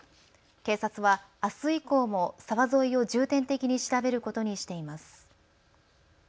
警察はあす以降も沢沿いを重点的に調べることにしています。